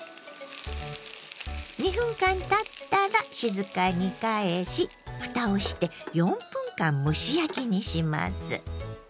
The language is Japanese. ２分間たったら静かに返しふたをして４分間蒸し焼きにします。